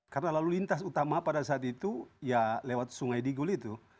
karena lalu lintas utama pada saat itu ya lewat sungai digul itu